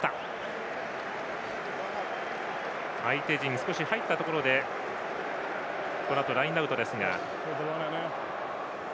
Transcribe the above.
相手陣、少し入ったところでこのあとラインアウトですが。